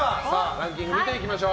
ランキングを見ていきましょう。